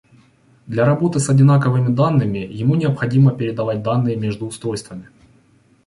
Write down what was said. Для работы с одинаковыми данными, ему необходимо передавать данные между устройствами